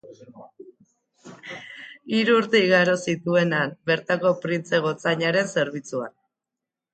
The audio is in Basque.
Hiru urte igaro zituen han, bertako printze gotzainaren zerbitzuan.